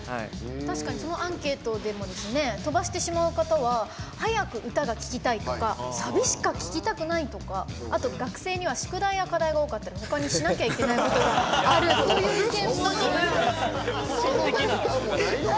確かにそのアンケートでもとばしてしまう方は早く歌が聴きたいとかサビしか聴きたくないとかあと、学生には宿題や課題が多かったりほかにしなきゃいけないことがあるという、こういう意見も。